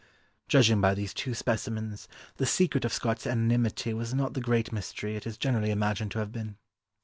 Judging by these two specimens, the secret of Scott's anonymity was not the great mystery it is generally imagined to have been.